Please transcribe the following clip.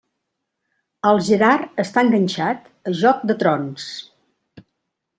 El Gerard està enganxat a Joc de trons.